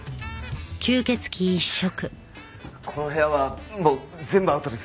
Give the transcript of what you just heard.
この部屋はもう全部アウトですよね。